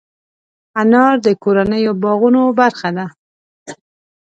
انار د کورنیو باغونو برخه ده.